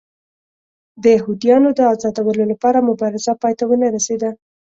د یهودیانو د ازادولو لپاره مبارزه پای ته ونه رسېده.